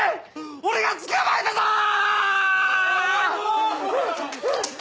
俺が捕まえたぞーっ！！